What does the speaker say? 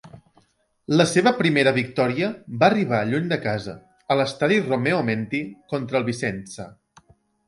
La seva primera victòria va arribar lluny de casa, a l'estadi Romeo Menti contra el Vicenza.